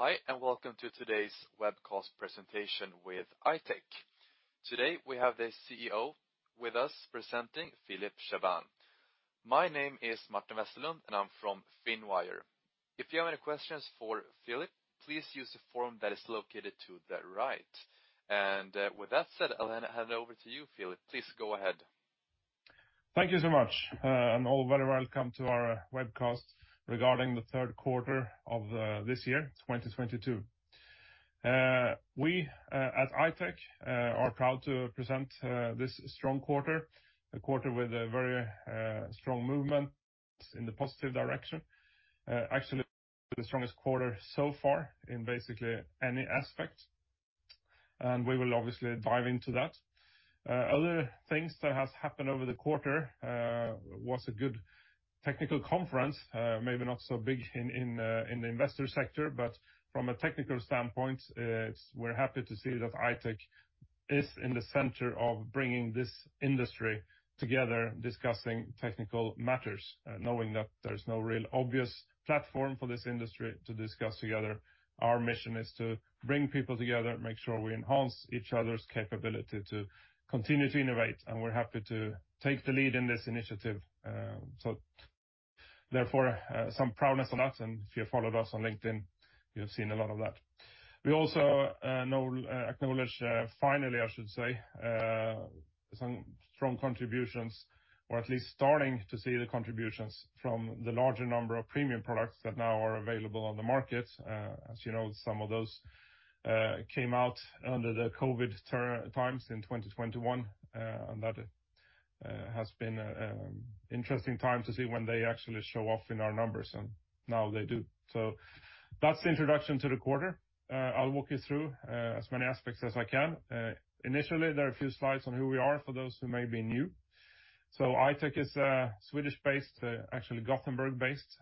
Hi, and welcome to today's webcast presentation with I-Tech. Today, we have the CEO with us presenting, Philip Chaabane. My name is Martin Westerlund, and I'm from Finwire. If you have any questions for Philip, please use the form that is located to the right. With that said, I'll hand over to you, Philip. Please go ahead. Thank you so much. All very welcome to our webcast regarding the third quarter of this year, 2022. We, as I-Tech, are proud to present this strong quarter, a quarter with a very strong movement in the positive direction. Actually, the strongest quarter so far in basically any aspect, and we will obviously dive into that. Other things that has happened over the quarter was a good technical conference, maybe not so big in the investor sector, but from a technical standpoint, we're happy to see that I-Tech is in the center of bringing this industry together discussing technical matters, knowing that there's no real obvious platform for this industry to discuss together. Our mission is to bring people together, make sure we enhance each other's capability to continue to innovate, and we're happy to take the lead in this initiative, so therefore, some proudness on that. If you followed us on LinkedIn, you've seen a lot of that. We also acknowledge, finally, I should say, some strong contributions, or at least starting to see the contributions from the larger number of premium products that now are available on the market. As you know, some of those came out under the COVID turbulent times in 2021, and that has been interesting time to see when they actually show up in our numbers, and now they do. That's the introduction to the quarter. I'll walk you through as many aspects as I can. Initially, there are a few slides on who we are for those who may be new. I-Tech is a Swedish-based, actually Gothenburg-based,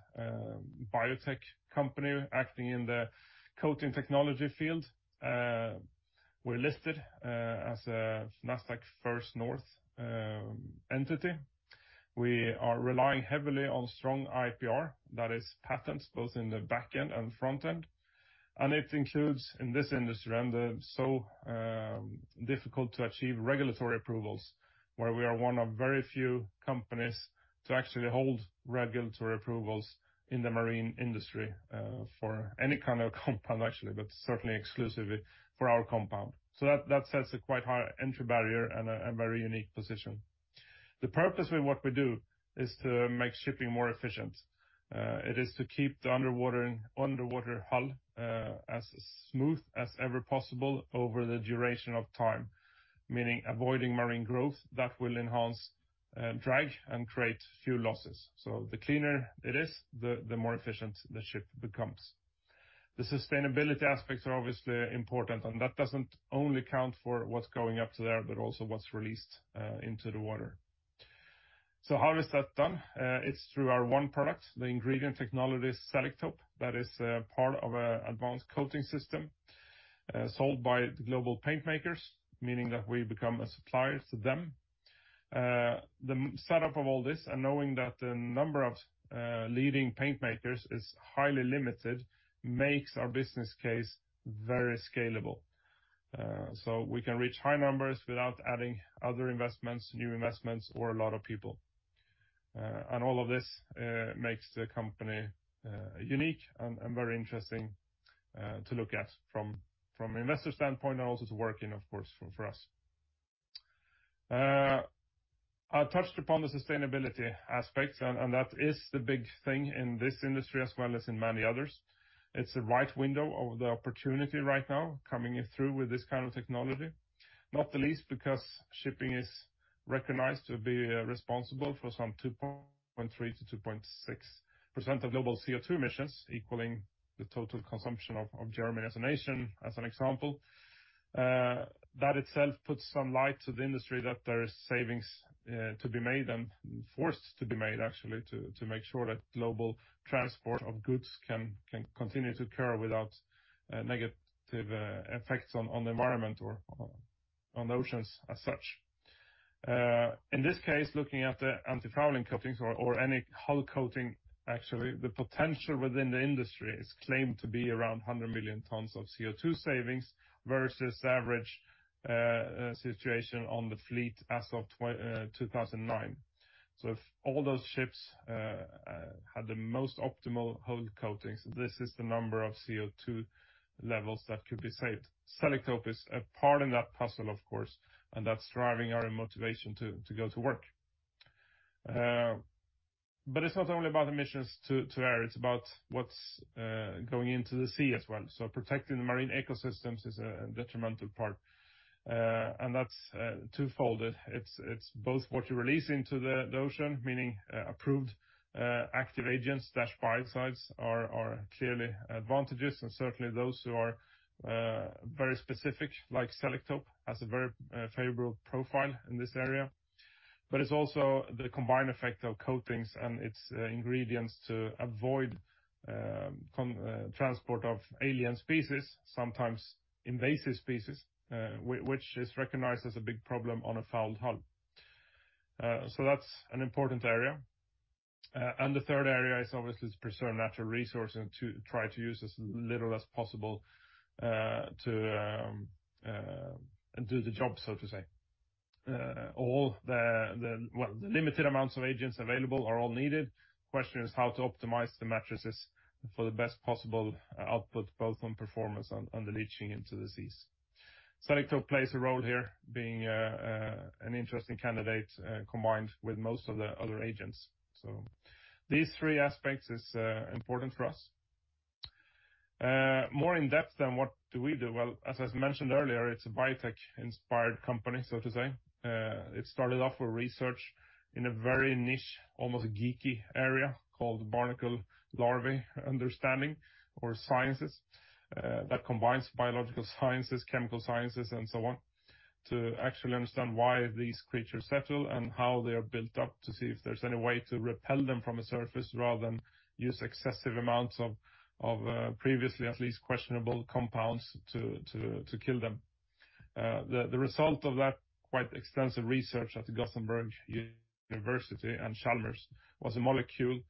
biotech company acting in the coating technology field. We're listed as a Nasdaq First North entity. We are relying heavily on strong IPR, that is patents, both in the back end and front end. And it includes, in this industry, difficult to achieve regulatory approvals, where we are one of very few companies to actually hold regulatory approvals in the marine industry, for any kind of compound actually, but certainly exclusively for our compound. That sets a quite high entry barrier and a very unique position. The purpose with what we do is to make shipping more efficient. It is to keep the underwater hull as smooth as ever possible over the duration of time, meaning avoiding marine growth that will enhance drag and create fuel losses. The cleaner it is, the more efficient the ship becomes. The sustainability aspects are obviously important, and that doesn't only account for what's going up to there, but also what's released into the water. How is that done? It's through our one product, the ingredient technology Selektope, that is a part of an advanced coating system sold by the global paint makers, meaning that we become a supplier to them. The setup of all this and knowing that the number of leading paint makers is highly limited makes our business case very scalable. We can reach high numbers without adding other investments, new investments, or a lot of people. All of this makes the company unique and very interesting to look at from an investor standpoint, and also to work in, of course, for us. I touched upon the sustainability aspects and that is the big thing in this industry as well as in many others. It's the right window of the opportunity right now coming through with this kind of technology. Not the least because shipping is recognized to be responsible for some 2.3%-2.6% of global CO2 emissions, equaling the total consumption of Germany as a nation, as an example. That itself puts some light to the industry that there is savings to be made and forced to be made, actually, to make sure that global transport of goods can continue to occur without negative effects on the environment or on oceans as such. In this case, looking at the antifouling coatings or any hull coating, actually, the potential within the industry is claimed to be around 100 million tons of CO2 savings versus the average situation on the fleet as of 2009. If all those ships had the most optimal hull coatings, this is the number of CO2 levels that could be saved. Selektope is a part in that puzzle, of course, and that's driving our motivation to go to work. It's not only about emissions to air, it's about what's going into the sea as well. Protecting the marine ecosystems is an integral part. That's twofold. It's both what you release into the ocean, meaning approved active agents, biocides are clearly advantages, and certainly those who are very specific, like Selektope, has a very favorable profile in this area. It's also the combined effect of coatings and its ingredients to avoid transport of alien species, sometimes invasive species, which is recognized as a big problem on a fouled hull. That's an important area. The third area is obviously to preserve natural resource and to try to use as little as possible to do the job, so to say. The limited amounts of agents available are all needed. Question is how to optimize the matrices for the best possible output, both on performance and the leaching into the seas. Selektope plays a role here being an interesting candidate combined with most of the other agents. These three aspects is important for us. More in depth than what do we do, well, as I mentioned earlier, it's a biotech-inspired company, so to say. It started off with research in a very niche, almost geeky area called barnacle larvae understanding or sciences, that combines biological sciences, chemical sciences, and so on, to actually understand why these creatures settle and how they are built up to see if there's any way to repel them from a surface rather than use excessive amounts of previously at least questionable compounds to kill them. The result of that quite extensive research at University of Gothenburg and Chalmers was a molecule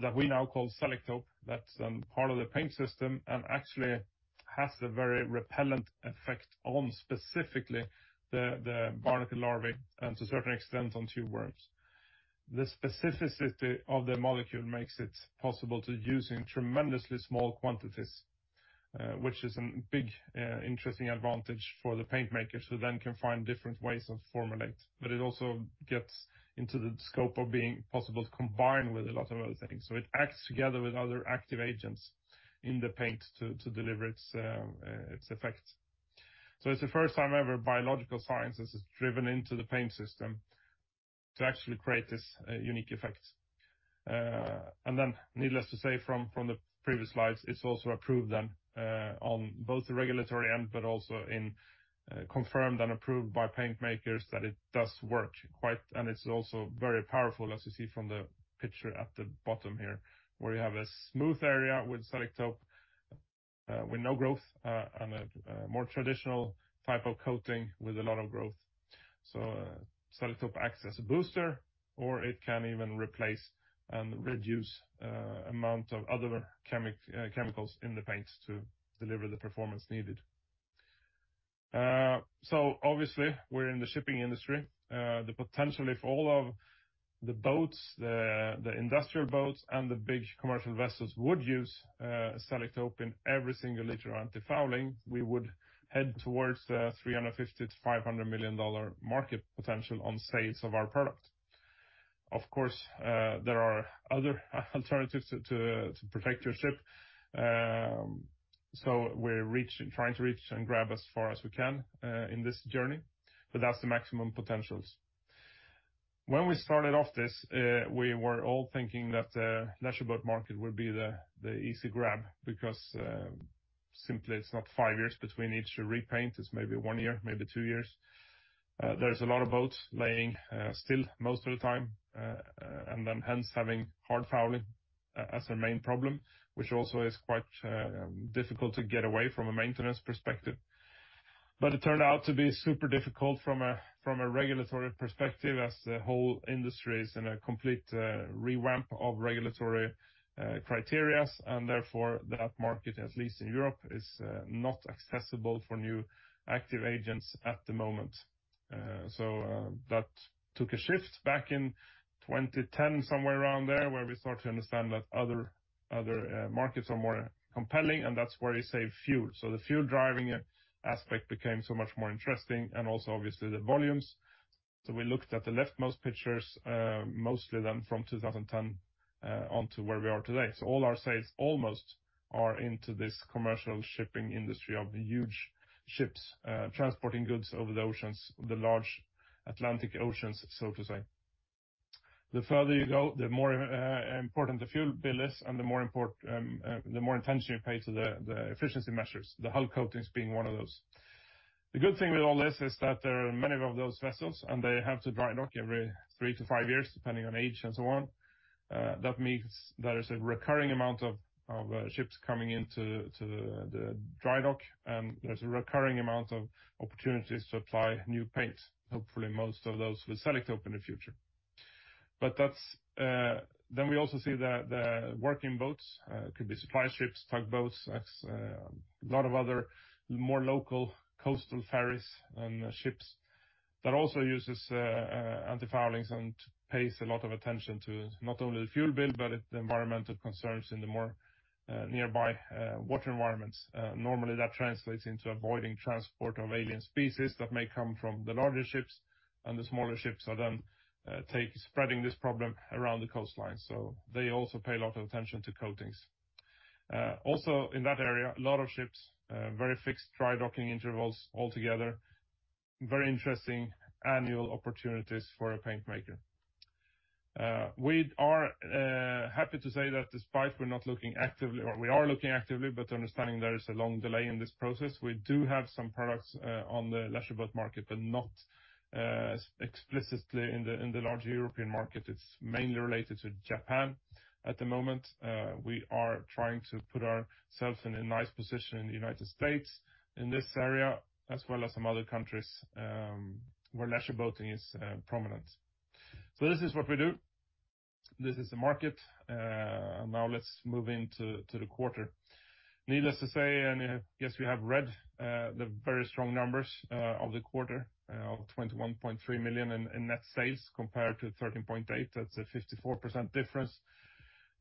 that we now call Selektope, that's part of the paint system and actually has the very repellent effect on specifically the barnacle larvae and to a certain extent on tube worms. The specificity of the molecule makes it possible to use in tremendously small quantities, which is a big interesting advantage for the paint makers who then can find different ways of formulate. It also gets into the scope of being possible to combine with a lot of other things. It acts together with other active agents in the paint to deliver its effects. It's the first time ever biological sciences is driven into the paint system to actually create this unique effect. Needless to say, from the previous slides, it's also approved on both the regulatory end, but also confirmed and approved by paint makers that it does work quite, and it's also very powerful, as you see from the picture at the bottom here, where you have a smooth area with Selektope with no growth, and a more traditional type of coating with a lot of growth. Selektope acts as a booster, or it can even replace and reduce amount of other chemicals in the paints to deliver the performance needed. Obviously, we're in the shipping industry. The potential if all of the boats, the industrial boats and the big commercial vessels would use Selektope in every single liter of antifouling, we would head towards $350 million-$500 million market potential on sales of our product. Of course, there are other alternatives to protect your ship. We're trying to reach and grab as far as we can in this journey, but that's the maximum potentials. When we started off this, we were all thinking that the leisure boat market would be the easy grab because simply it's not five years between each repaint. It's maybe one year, maybe two years. There's a lot of boats laying still most of the time, and then hence having hard fouling as a main problem, which also is quite difficult to get away from a maintenance perspective. It turned out to be super difficult from a regulatory perspective as the whole industry is in a complete revamp of regulatory criteria, and therefore that market, at least in Europe, is not accessible for new active agents at the moment. That took a shift back in 2010, somewhere around there, where we start to understand that other markets are more compelling, and that's where they save fuel. The fuel driving aspect became so much more interesting and also obviously the volumes. We looked at the leftmost pictures, mostly then from 2010 onto where we are today. All our sales almost are into this commercial shipping industry of huge ships, transporting goods over the oceans, the large Atlantic Oceans, so to say. The further you go, the more important the fuel bill is and the more attention you pay to the efficiency measures, the hull coatings being one of those. The good thing with all this is that there are many of those vessels, and they have to dry dock every three-five years, depending on age and so on. That means there is a recurring amount of ships coming into the dry dock, and there's a recurring amount of opportunities to apply new paints. Hopefully, most of those with Selektope in the future. That's. We also see the working boats, could be supply ships, tugboats, e.g., a lot of other more local coastal ferries and ships that also uses antifoulings and pays a lot of attention to not only the fuel bill, but the environmental concerns in the more nearby water environments. Normally, that translates into avoiding transport of alien species that may come from the larger ships, and the smaller ships are then spreading this problem around the coastline. They also pay a lot of attention to coatings. Also in that area, a lot of ships very fixed dry docking intervals altogether. Very interesting annual opportunities for a paint maker. We are happy to say that despite we're not looking actively, or we are looking actively, but understanding there is a long delay in this process. We do have some products on the leisure boat market, but not explicitly in the larger European market. It's mainly related to Japan at the moment. We are trying to put ourselves in a nice position in the United States in this area, as well as some other countries, where leisure boating is prominent. This is what we do. This is the market. Now let's move into the quarter. Needless to say, I guess you have read the very strong numbers of the quarter of 21.3 million in net sales compared to 13.8 million. That's a 54% difference.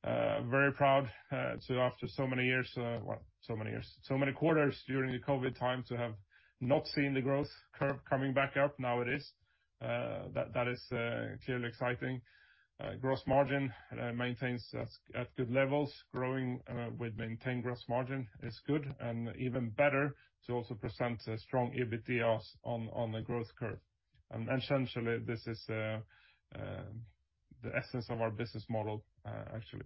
Very proud after so many years, well, so many quarters during the COVID time to have not seen the growth curve coming back up, now it is. That is clearly exciting. Gross margin maintains at good levels. Growing with maintained gross margin is good and even better to also present a strong EBITDA on the growth curve. Essentially, this is the essence of our business model, actually.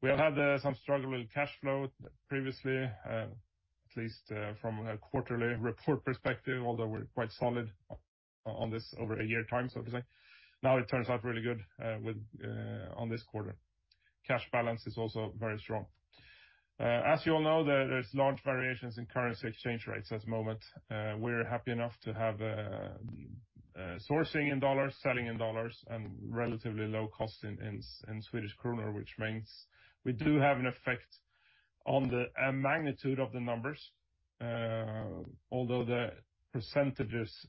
We have had some struggle with cash flow previously, at least from a quarterly report perspective, although we're quite solid on this over a year time, so to say. Now it turns out really good with on this quarter. Cash balance is also very strong. As you all know, there's large variations in currency exchange rates at the moment. We're happy enough to have sourcing in dollars, selling in dollars, and relatively low cost in Swedish kronor, which means we do have an effect on the magnitude of the numbers. Although the percentages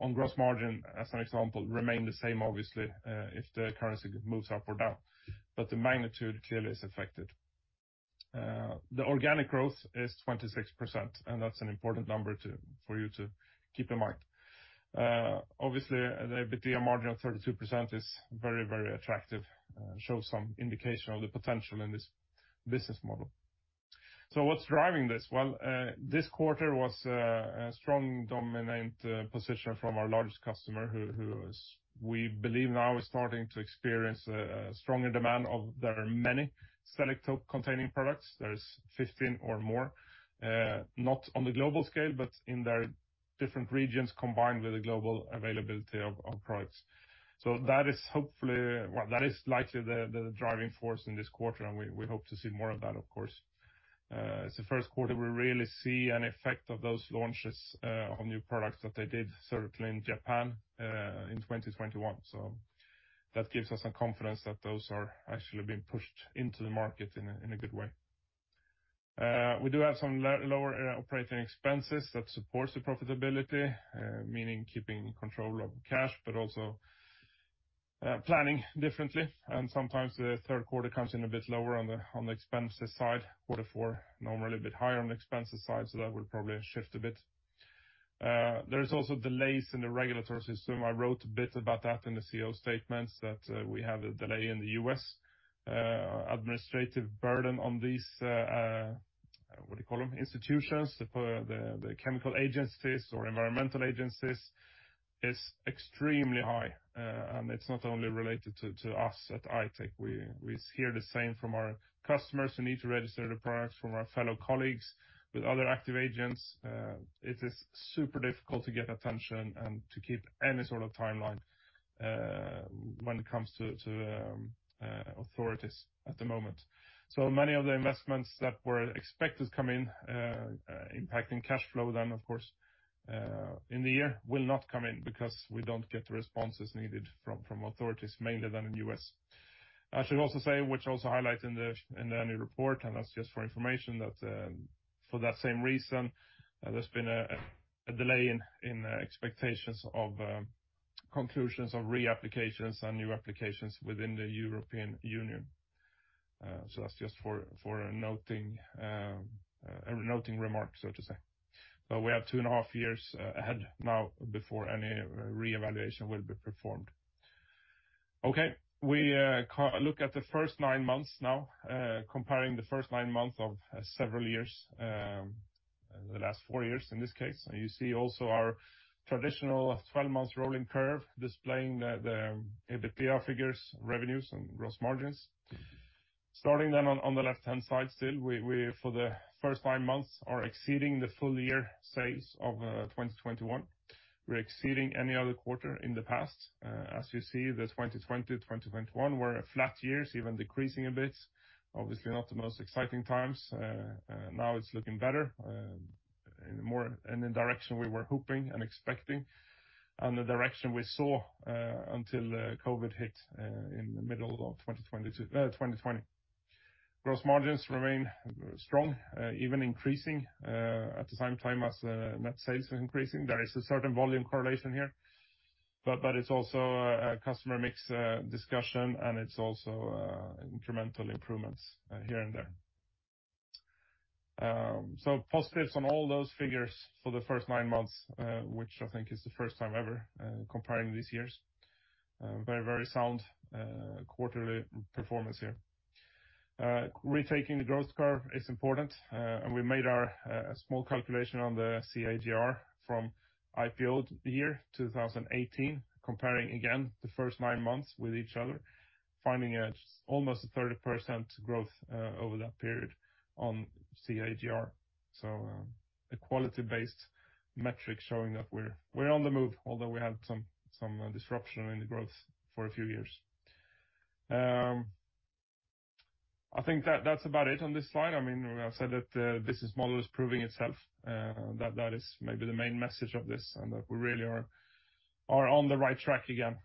on gross margin, as an example, remain the same, obviously, if the currency moves up or down. The magnitude clearly is affected. The organic growth is 26%, and that's an important number for you to keep in mind. Obviously, the EBITDA margin of 32% is very, very attractive, shows some indication of the potential in this business model. What's driving this? Well, this quarter was a strong dominant position from our largest customer who is, we believe, now starting to experience a stronger demand of their many Selektope containing products. There's 15 or more, not on the global scale, but in their different regions combined with the global availability of products. That is hopefully, well, that is likely the driving force in this quarter, and we hope to see more of that, of course. It's the first quarter we really see an effect of those launches of new products that they did certainly in Japan in 2021. That gives us some confidence that those are actually being pushed into the market in a good way. We do have some lower operating expenses that supports the profitability, meaning keeping control of cash, but also planning differently. Sometimes the third quarter comes in a bit lower on the expenses side. Quarter four, normally a bit higher on the expenses side, so that will probably shift a bit. There is also delays in the regulatory system. I wrote a bit about that in the Q3 statements that we have a delay in the U.S., administrative burden on these what do you call them? Institutions, the chemical agencies or environmental agencies is extremely high. It's not only related to us at I-Tech. We hear the same from our customers who need to register the products from our fellow colleagues with other active agents. It is super difficult to get attention and to keep any sort of timeline when it comes to authorities at the moment. Many of the investments that were expected to come in impacting cash flow, then of course in the year will not come in because we don't get the responses needed from authorities, mainly in the U.S. I should also say, which I also highlight in the annual report, and that's just for information, that for that same reason, there's been a delay in expectations of conclusions of reapplications and new applications within the European Union. That's just for noting, a noting remark, so to say. We have two and a half years ahead now before any re-evaluation will be performed. We look at the first nin months now, comparing the first nine months of several years, the last four years in this case. You see also our traditional 12-month rolling curve displaying the EBITDA figures, revenues, and gross margins. Starting then on the left-hand side still, we for the first nine months are exceeding the full year sales of 2021. We're exceeding any other quarter in the past. As you see, the 2020, 2021 were flat years, even decreasing a bit. Obviously, not the most exciting times. Now it's looking better, in the direction we were hoping and expecting, and the direction we saw until COVID hit in the middle of 2020. Gross margins remain strong, even increasing, at the same time as net sales are increasing. There is a certain volume correlation here, but it's also a customer mix discussion, and it's also incremental improvements here and there. Positives on all those figures for the first nine months, which I think is the first time ever, comparing these years. Very sound quarterly performance here. Retaking the growth curve is important, and we made our small calculation on the CAGR from IPO year 2018, comparing again the first nine months with each other, finding almost a 30% growth over that period on CAGR. A quality-based metric showing that we're on the move, although we had some disruption in the growth for a few years. I think that's about it on this slide. I mean, we have said that the business model is proving itself, that is maybe the main message of this, and that we really are on the right track again.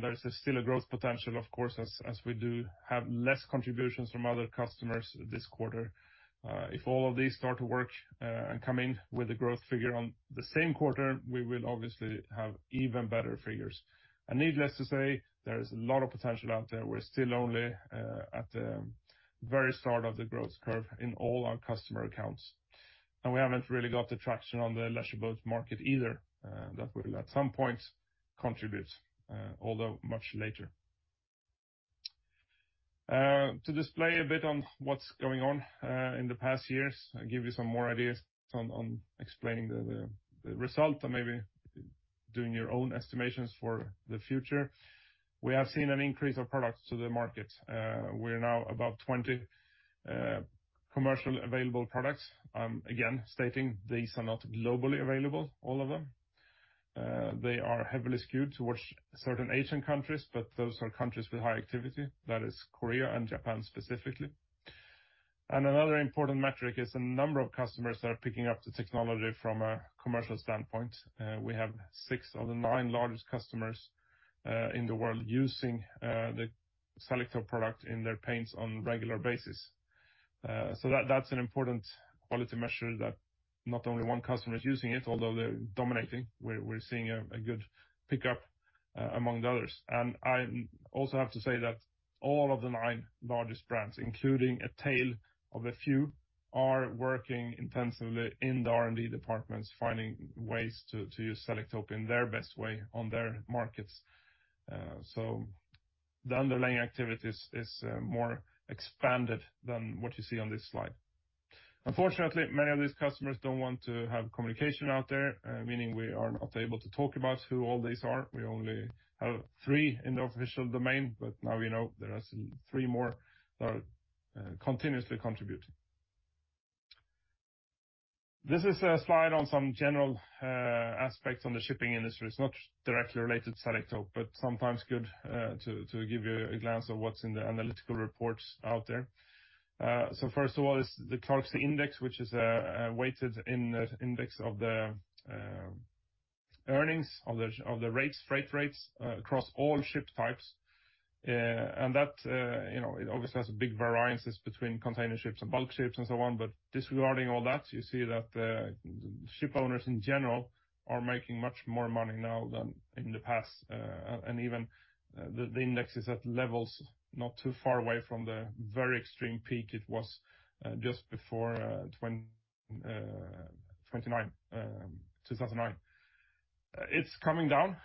There's still a growth potential, of course, as we do have less contributions from other customers this quarter. If all of these start to work, and come in with a growth figure on the same quarter, we will obviously have even better figures. Needless to say, there is a lot of potential out there. We're still only at the very start of the growth curve in all our customer accounts. We haven't really got the traction on the leisure boat market either, that will at some point contribute, although much later. To display a bit on what's going on in the past years, I'll give you some more ideas on explaining the result and maybe doing your own estimations for the future. We have seen an increase of products to the market. We're now about 20 commercially available products. Again, stating these are not globally available, all of them. They are heavily skewed towards certain Asian countries, but those are countries with high activity. That is Korea and Japan specifically. Another important metric is a number of customers that are picking up the technology from a commercial standpoint. We have 6 of the 9 largest customers in the world using the Selektope product in their paints on regular basis. That's an important quality measure that not only one customer is using it, although they're dominating, we're seeing a good pickup among the others. I also have to say that all of the nine largest brands, including a tail of a few, are working intensively in the R&D departments, finding ways to use Selektope in their best way on their markets. The underlying activity is more expanded than what you see on this slide. Unfortunately, many of these customers don't want to have communication out there, meaning we are not able to talk about who all these are. We only have three in the official domain, but now we know there are three more that are continuously contributing. This is a slide on some general aspects on the shipping industry. It's not directly related to Selektope, but sometimes good to give you a glance of what's in the analytical reports out there. So first of all is the ClarkSea Index, which is a weighted index of the earnings of the freight rates across all ship types. That you know it obviously has big variances between container ships and bulk ships and so on, but disregarding all that, you see that the ship owners in general are making much more money now than in the past. Even the index is at levels not too far away from the very extreme peak it was just before 2009. It's coming down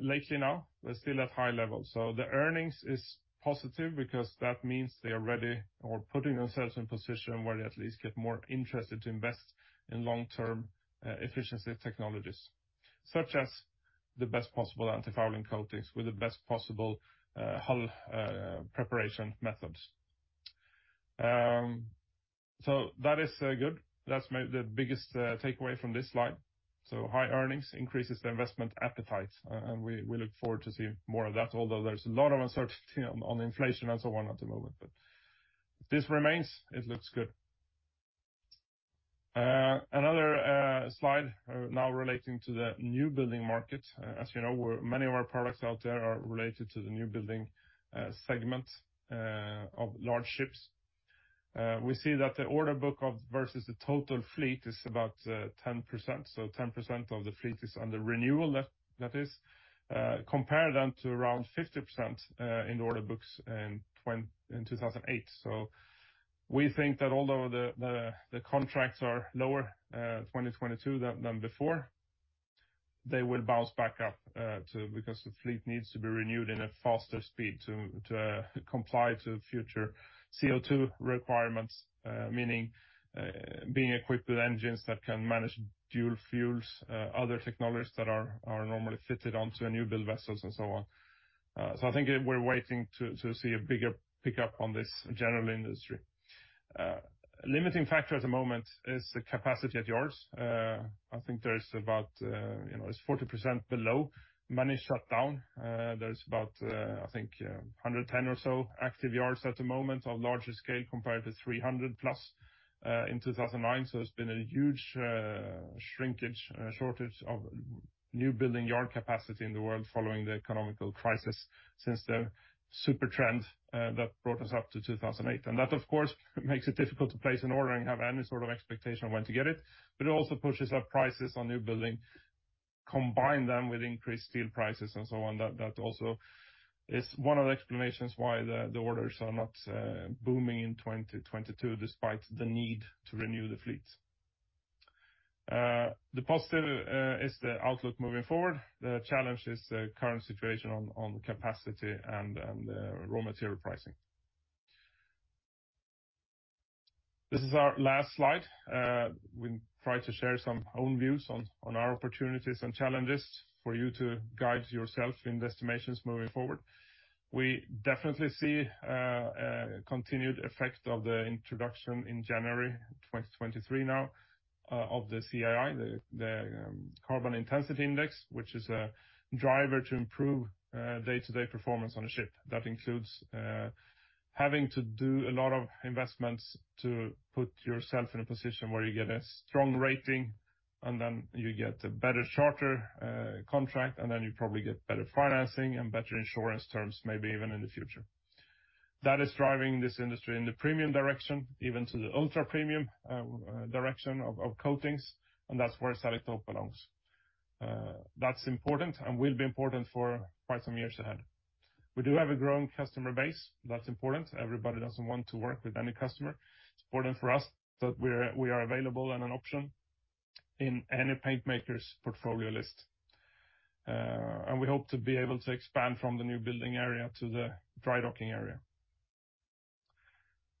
lately now, but still at high levels. The earnings is positive because that means they are ready or putting themselves in position where they at least get more interested to invest in long-term efficiency technologies, such as the best possible antifouling coatings with the best possible hull preparation methods. That is good. That's the biggest takeaway from this slide. High earnings increases the investment appetite, and we look forward to see more of that, although there's a lot of uncertainty on inflation and so on at the moment. If this remains, it looks good. Another slide now relating to the new building market. As you know, many of our products out there are related to the new building segment of large ships. We see that the order book versus the total fleet is about 10%. 10% of the fleet is under renewal, that is, compare that to around 50% in the order books in 2008. We think that although the contracts are lower 2022 than before, they will bounce back up because the fleet needs to be renewed in a faster speed to comply to future CO2 requirements, meaning being equipped with engines that can manage dual fuels, other technologies that are normally fitted onto new build vessels and so on. I think we're waiting to see a bigger pickup on this general industry. Limiting factor at the moment is the capacity at yards. I think there's about, you know, it's 40% below. Many shut down. There's about, I think, 110 or so active yards at the moment of larger scale compared to 300+ in 2009. There's been a huge shrinkage, shortage of newbuilding yard capacity in the world following the economic crisis since the supercycle that brought us up to 2008. That, of course, makes it difficult to place an order and have any sort of expectation of when to get it. It also pushes up prices on newbuilding, combined with increased steel prices and so on. That also is one of the explanations why the orders are not booming in 2022 despite the need to renew the fleet. The positive is the outlook moving forward. The challenge is the current situation on capacity and raw material pricing. This is our last slide. We try to share our own views on our opportunities and challenges for you to guide yourself in the estimations moving forward. We definitely see a continued effect of the introduction in January 2023 now. Of the CII, the carbon intensity index, which is a driver to improve day-to-day performance on a ship. That includes having to do a lot of investments to put yourself in a position where you get a strong rating, and then you get a better charter contract, and then you probably get better financing and better insurance terms, maybe even in the future. That is driving this industry in the premium direction, even to the ultra-premium direction of coatings, and that's where Selektope belongs. That's important and will be important for quite some years ahead. We do have a growing customer base. That's important. Everybody doesn't want to work with any customer. It's important for us that we are available and an option in any paint makers portfolio list. We hope to be able to expand from the new building area to the dry docking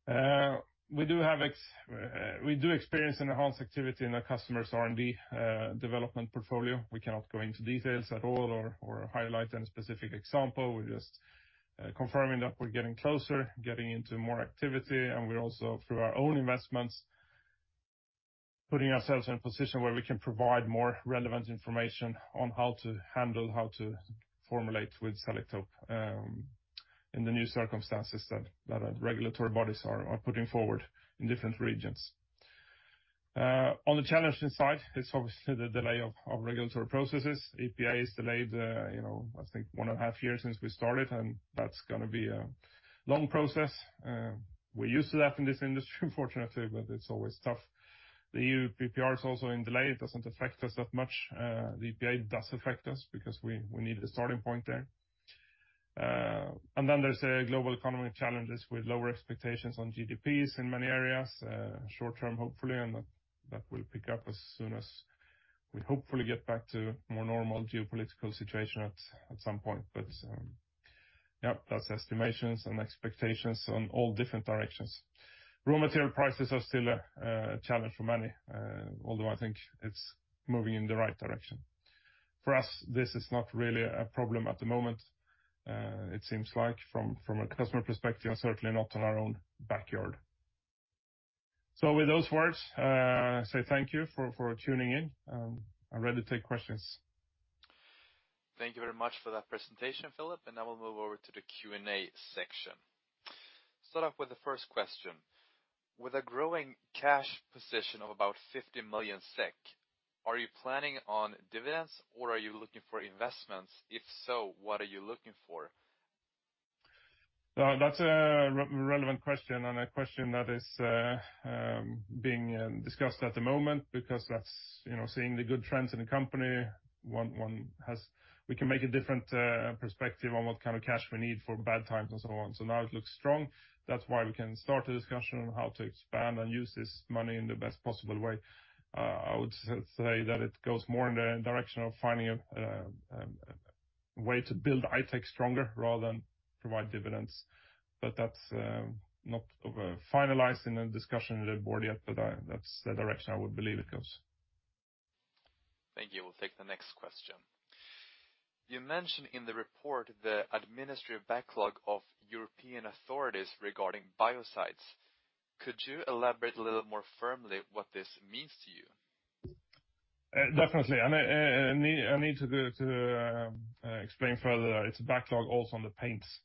area. We do experience an enhanced activity in our customers R&D development portfolio. We cannot go into details at all or highlight any specific example. We're just confirming that we're getting closer, getting into more activity, and we're also, through our own investments, putting ourselves in a position where we can provide more relevant information on how to handle, how to formulate with Selektope, in the new circumstances that our regulatory bodies are putting forward in different regions. On the challenging side, it's obviously the delay of regulatory processes. EPA is delayed, you know, I think one and a half years since we started, and that's gonna be a long process. We're used to that in this industry, fortunately, but it's always tough. The EU BPR is also in delay. It doesn't affect us that much. The EPA does affect us because we need a starting point there. There's the global economy challenges with lower expectations on GDPs in many areas, short-term, hopefully, and that will pick up as soon as we hopefully get back to more normal geopolitical situation at some point. Yeah, that's estimations and expectations on all different directions. Raw material prices are still a challenge for many, although I think it's moving in the right direction. For us, this is not really a problem at the moment. It seems like from a customer perspective, certainly not in our own backyard. With those words, say thank you for tuning in. I'm ready to take questions. Thank you very much for that presentation, Philip. Now we'll move over to the Q&A section. Start off with the first question. With a growing cash position of about 50 million SEK, are you planning on dividends or are you looking for investments? If so, what are you looking for? That's a relevant question and a question that is being discussed at the moment because that's, you know, seeing the good trends in the company. We can make a different perspective on what kind of cash we need for bad times and so on. Now it looks strong. That's why we can start a discussion on how to expand and use this money in the best possible way. I would say that it goes more in the direction of finding a way to build I-Tech stronger rather than provide dividends. That's not finalized in a discussion with the board yet, but that's the direction I would believe it goes. Thank you. We'll take the next question. You mentioned in the report the administrative backlog of European authorities regarding biocides. Could you elaborate a little more firmly what this means to you? Definitely. I need to explain further. It's a backlog also on the paints.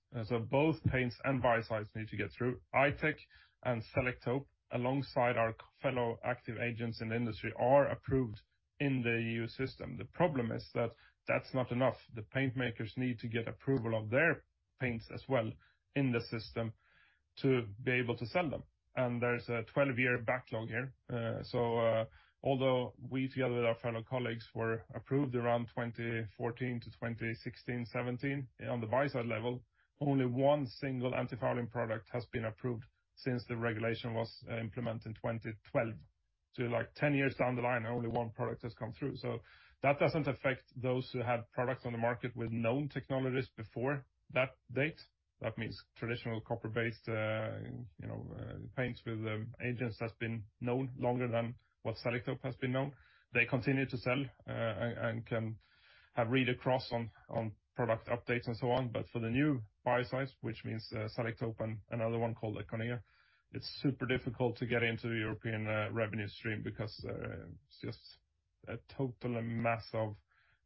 Both paints and biocides need to get through. I-Tech and Selektope, alongside our fellow active agents in the industry, are approved in the EU system. The problem is that that's not enough. The paint makers need to get approval of their paints as well in the system to be able to sell them. There's a 12-year backlog here. Although we, together with our fellow colleagues, were approved around 2014 to 2016, 2017 on the biocide level, only one single antifouling product has been approved since the regulation was implemented in 2012. Like 10 years down the line, only one product has come through. That doesn't affect those who had products on the market with known technologies before that date. That means traditional copper-based, you know, paints with agents that's been known longer than what Selektope has been known. They continue to sell, and can have read across on product updates and so on. For the new biocides, which means Selektope and another one called Econea, it's super difficult to get into the European revenue stream because it's just a total and massive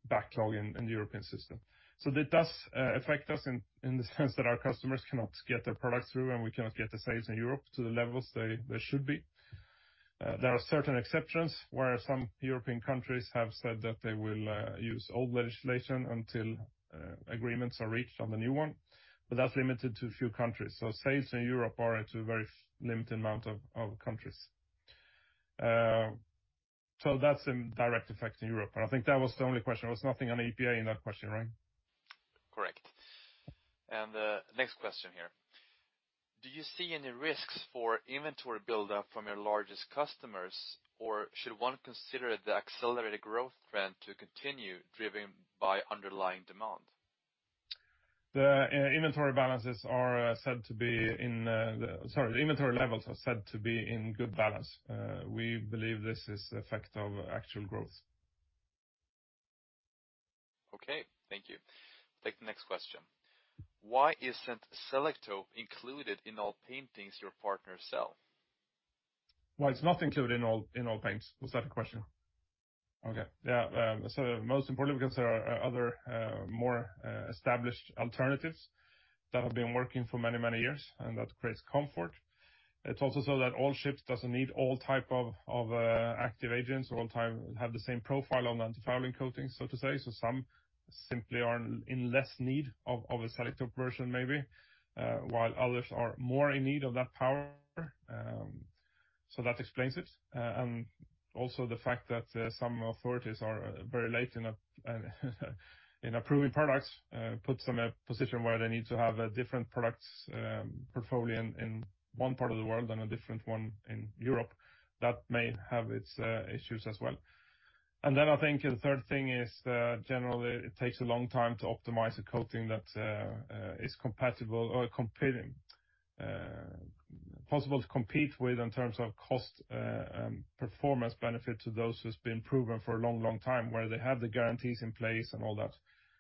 backlog in the European system. That does affect us in the sense that our customers cannot get their products through, and we cannot get the sales in Europe to the levels they should be. There are certain exceptions where some European countries have said that they will use old legislation until agreements are reached on the new one, but that's limited to a few countries. Sales in Europe are to a very limited amount of countries. That's in direct effect in Europe. I think that was the only question. There was nothing on EPA in that question, right? Correct. The next question here. Do you see any risks for inventory buildup from your largest customers, or should one consider the accelerated growth trend to continue driven by underlying demand? The inventory levels are said to be in good balance. We believe this is the effect of actual growth. Okay. Thank you. Take the next question. Why isn't Selektope included in all paints your partners sell? Why it's not included in all paints? Was that the question? Okay. Yeah. Most importantly, because there are other more established alternatives that have been working for many years, and that creates comfort. It's also so that all ships doesn't need all type of active agents all time have the same profile on the antifouling coatings, so to say. Some simply are in less need of a Selektope version maybe, while others are more in need of that power. That explains it. Also the fact that some authorities are very late in approving products puts them in a position where they need to have a different products portfolio in one part of the world and a different one in Europe. That may have its issues as well. I think the third thing is that, generally, it takes a long time to optimize a coating that is compatible or possible to compete with in terms of cost, performance benefit to those who's been proven for a long, long time, where they have the guarantees in place and all that.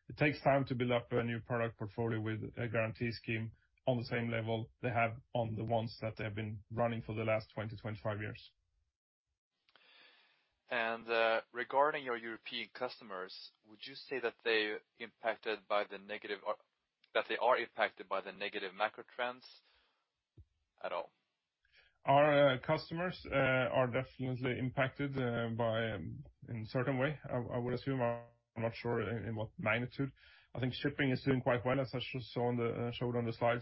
It takes time to build up a new product portfolio with a guarantee scheme on the same level they have on the ones that they have been running for the last 20-25 years. Regarding your European customers, would you say that they're impacted by the negative macro trends at all? Our customers are definitely impacted by in a certain way. I would assume. I'm not sure in what magnitude. I think shipping is doing quite well, as I just saw on the slide.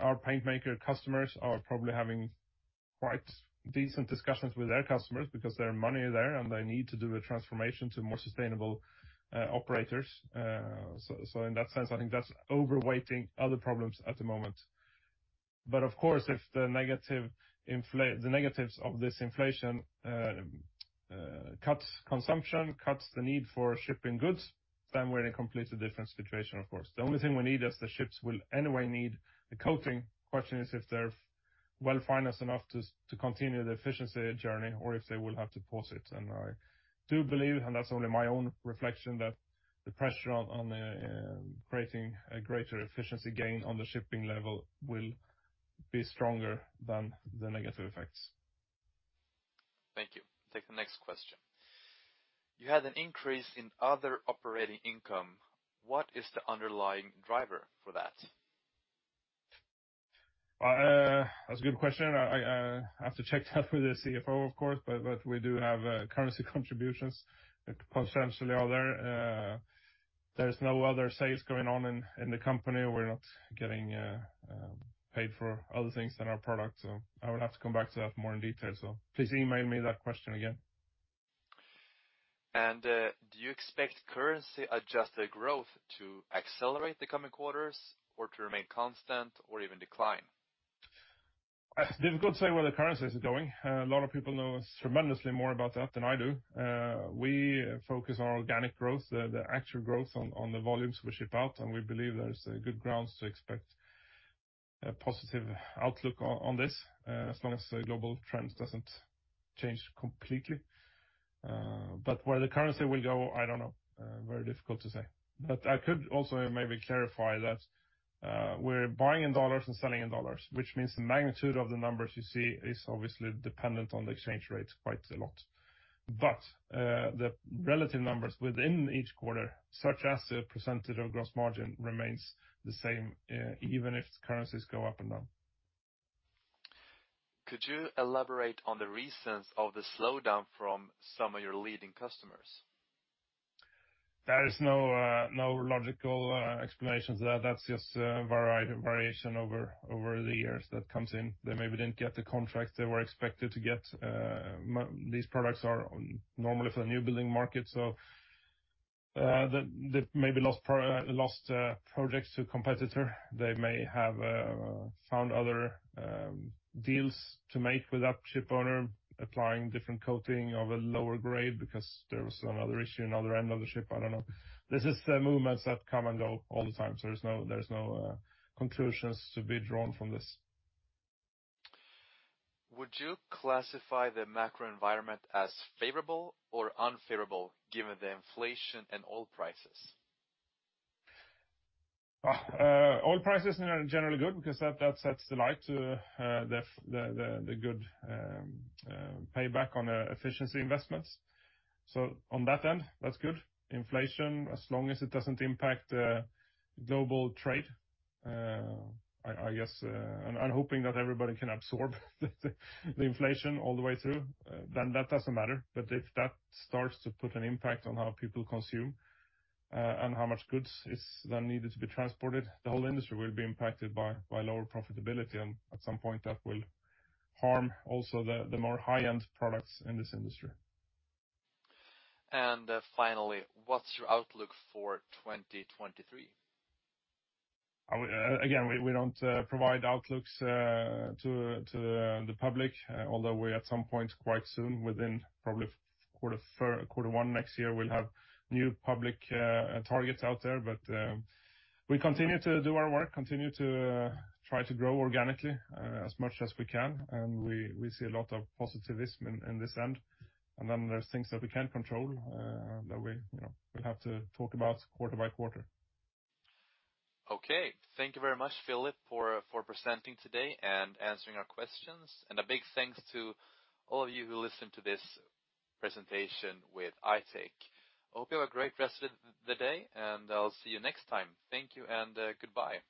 Our paint maker customers are probably having quite decent discussions with their customers because there are money there, and they need to do a transformation to more sustainable operators. In that sense, I think that's overweighing other problems at the moment. Of course, if the negatives of this inflation cuts consumption, cuts the need for shipping goods, then we're in a completely different situation, of course. The only thing we need is the ships will anyway need a coating. Question is if they're well-financed enough to continue the efficiency journey or if they will have to pause it. I do believe, and that's only my own reflection, that the pressure on creating a greater efficiency gain on the shipping level will be stronger than the negative effects. Thank you. Take the next question. You had an increase in other operating income. What is the underlying driver for that? That's a good question. I have to check that with the CFO, of course, but we do have currency contributions that potentially are there. There's no other sales going on in the company. We're not getting paid for other things than our product, so I will have to come back to that more in detail. Please email me that question again. Do you expect currency-adjusted growth to accelerate the coming quarters or to remain constant or even decline? Difficult to say where the currency is going. A lot of people know tremendously more about that than I do. We focus on organic growth, the actual growth on the volumes we ship out, and we believe there is good grounds to expect a positive outlook on this, as long as the global trends doesn't change completely. Where the currency will go, I don't know. Very difficult to say. I could also maybe clarify that, we're buying in dollars and selling in dollars, which means the magnitude of the numbers you see is obviously dependent on the exchange rate quite a lot. The relative numbers within each quarter, such as the percentage of gross margin, remains the same, even if currencies go up and down. Could you elaborate on the reasons of the slowdown from some of your leading customers? There is no logical explanations there. That's just variation over the years that comes in. They maybe didn't get the contract they were expected to get. These products are normally for the new building market. They maybe lost projects to a competitor. They may have found other deals to make with that ship owner, applying different coating of a lower grade because there was another issue in other end of the ship. I don't know. This is the movements that come and go all the time, so there's no conclusions to be drawn from this. Would you classify the macro environment as favorable or unfavorable given the inflation and oil prices? Oil prices are generally good because the good payback on the efficiency investments. On that end, that's good. Inflation, as long as it doesn't impact global trade, I guess I'm hoping that everybody can absorb the inflation all the way through, then that doesn't matter. If that starts to put an impact on how people consume and how much goods is then needed to be transported, the whole industry will be impacted by lower profitability, and at some point, that will harm also the more high-end products in this industry. Finally, what's your outlook for 2023? Again, we don't provide outlooks to the public, although we at some point quite soon, within probably quarter one next year, we'll have new public targets out there. We continue to do our work, continue to try to grow organically as much as we can. We see a lot of positivism in this end. Then there's things that we can't control that we, you know, we'll have to talk about quarter by quarter. Okay. Thank you very much, Philip, for presenting today and answering our questions. A big thanks to all of you who listened to this presentation with I-Tech. I hope you have a great rest of the day, and I'll see you next time. Thank you and goodbye.